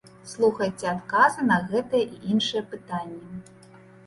Слухайце адказы на гэтыя і іншыя пытанні.